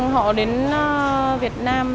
họ đến việt nam